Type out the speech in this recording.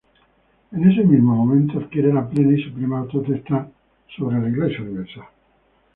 En ese mismo momento adquiere la plena y suprema potestad sobre la Iglesia universal.